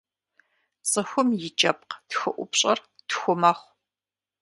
Цӏыхум и кӏэпкъ тхыӏупщэр тху мэхъу.